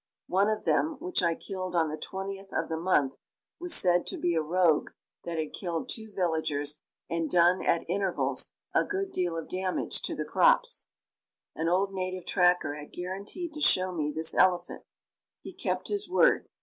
One of them, which I killed on the 20th of the month, was said to be a rogue that had killed two villagers and done at intervals a good deal of damage to the crops. An old native tracker had guaranteed to show me this elephant. He kept his word.